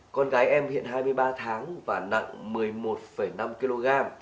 con gái em hiện hai mươi ba tháng và nặng một mươi một năm kg